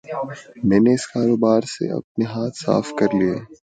میں نے اس کاروبار سے اپنے ہاتھ صاف کر لیئے ہے۔